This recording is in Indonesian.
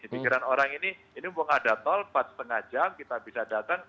di pikiran orang ini ini mumpung ada tol empat lima jam kita bisa datang